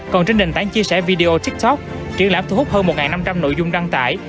còn trên nền tảng chia sẻ video tiktok triển lãm thu hút hơn một năm trăm linh nội dung đăng tải